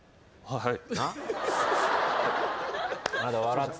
はい。